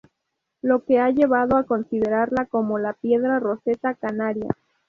Lo que ha llevado a considerarla como la "Piedra Rosetta Canaria".